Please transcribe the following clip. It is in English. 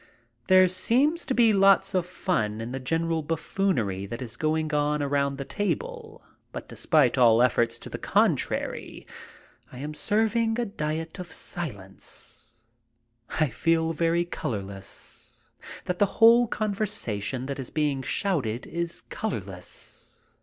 There seems to be lots of fun in the general buffoonery that is going on around the table, but despite all efforts to the contrary I am serving a diet of silence. I feel very color less, that the whole conversation that is being shouted is colorless.